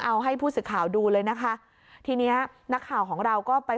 เอาให้ผู้สื่อข่าวดูเลยนะคะทีเนี้ยนักข่าวของเราก็ไป